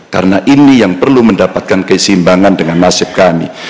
karena ini yang perlu mendapatkan kesimbangan dengan nasib kami